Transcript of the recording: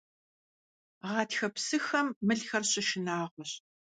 Гъатхэ псыхэм мылхэр щышынагъуэщ.